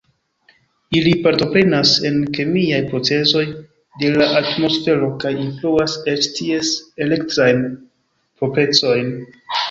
Ili partoprenas en kemiaj procezoj de la atmosfero kaj influas eĉ ties elektrajn proprecojn.